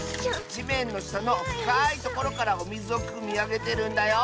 じめんのしたのふかいところからおみずをくみあげてるんだよ。